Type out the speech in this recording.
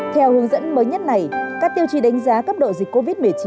theo hướng dẫn mới nhất này các tiêu chí đánh giá cấp độ dịch covid một mươi chín